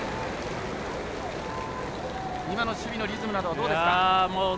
今の守備のリズムなどどうですか？